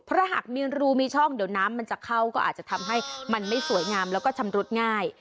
เพราะหากมีรูมีช่องเดี๋ยวน้ำมันจะเข้าก็อาจจะทำให้มันไม่สวยงามแล้วก็ชำรุดง่าย